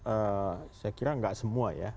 eee saya kira nggak semua ya